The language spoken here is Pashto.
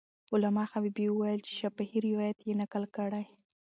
علامه حبیبي وویل چې شفاهي روایت یې نقل کړی.